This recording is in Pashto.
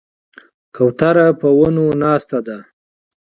کوتره په ونو ناسته ده.